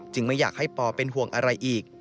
ไม่อยากให้ปอเป็นห่วงอะไรอีก